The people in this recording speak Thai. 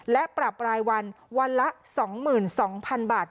และปรับรายวันวันละ๒๒๐๐๐บาท